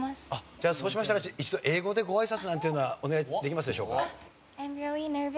じゃあそうしましたら一度英語でご挨拶なんていうのはお願いできますでしょうか？